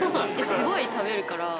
すごい食べるから。